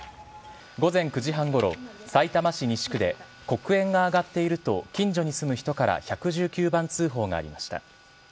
午前９時半ごろ、さいたま市西区で、黒煙が上がっていると近所に住む人から１１９番通報がありました。